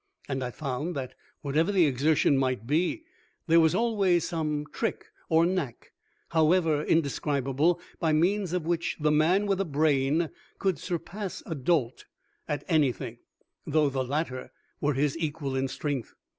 And I found that whatever the exertion might be there was always some trick or knack, however indescribable, by means of which the man with a brain could surpass a dolt at anything, though the latter were his equal in strength.